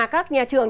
các nhà trường